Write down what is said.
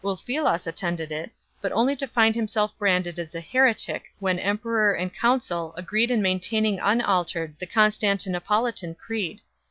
Ulfilas attended it, but only to find himself branded as a heretic when emperor and council agreed in maintaining unaltered the Constan tinopolitan Creed.